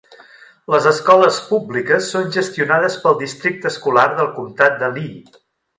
Les escoles públiques són gestionades pel districte escolar del Comtat de Lee.